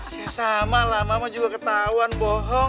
saya sama lah mama juga ketauan bohong